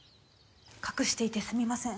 隠していてすみません。